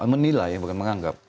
menilai bukan menganggap